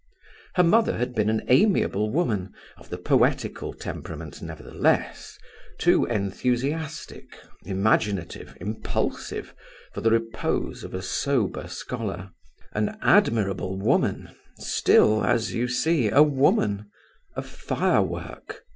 Her mother had been an amiable woman, of the poetical temperament nevertheless, too enthusiastic, imaginative, impulsive, for the repose of a sober scholar; an admirable woman, still, as you see, a woman, a fire work.